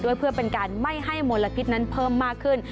เพื่อเป็นการไม่ให้มลพิษนั้นเพิ่มมากขึ้น